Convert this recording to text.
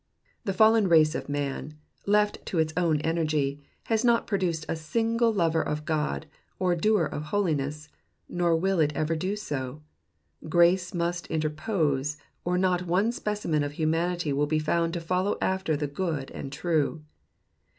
The fallen race of man, left to its own energy, has not produced a single lover of God or doer of holiness, nor will it ever do so. Grace must interpose, or not one specimen of humanity will be found to follow after the good and true.